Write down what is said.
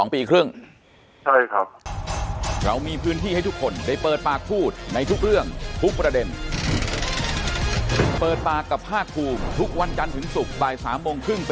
เพราะเขาเรียนเริ่มกันอยู่เขายังไม่จบ๒ปีครึ่ง